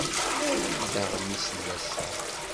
Awi-d aɣmis n wass-a!